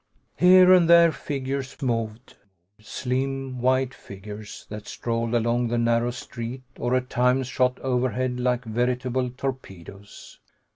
Here and there figures moved, slim white figures that strolled along the narrow street, or at times shot overhead like veritable torpedoes.